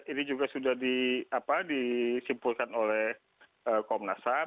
ini juga sudah di apa disimpulkan oleh komnas ham